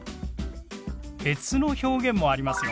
別の表現もありますよ。